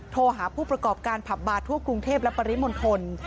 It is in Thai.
โทรหาผู้ประกอบการผับบาร์ทั่วกรุงเทพและปริมณฑล